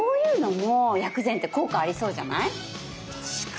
確かに。